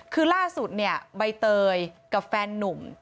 คือล่าสุดใบเตยกับแฟนหนุ่ม